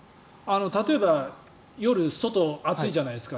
例えば、夜、外暑いじゃないですか。